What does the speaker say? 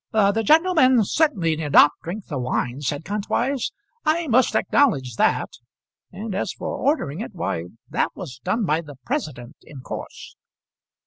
"The gentleman certainly did not drink the wine," said Kantwise, "I must acknowledge that; and as for ordering it, why that was done by the president, in course."